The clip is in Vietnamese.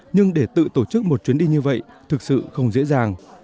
nhưng để tự tổ chức một chuyến đi như vậy thực sự không dễ dàng